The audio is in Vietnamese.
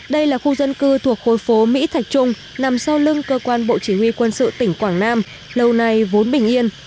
đây là khu dân cư thuộc khối phố mỹ thạch trung nằm sau lưng cơ quan bộ chỉ huy quân sự tỉnh quảng nam lâu nay vốn bình yên